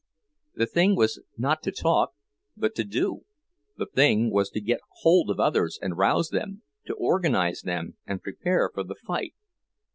The thing was not to talk, but to do; the thing was to get bold of others and rouse them, to organize them and prepare for the fight!